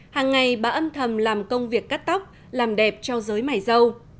hàng ngày bà âm thầm làm công việc cắt tóc làm đẹp cho giới mài dâu